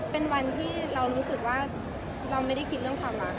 เป็นวันที่เรารู้สึกว่าเราไม่ได้คิดเรื่องความรัก